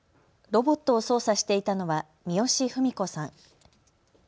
ロボットを操作していたのは三好史子さん。